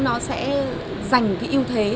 nó sẽ giành cái yêu thế